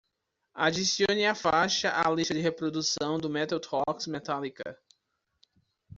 Adicione a faixa à lista de reprodução do Metal Talks Metallica.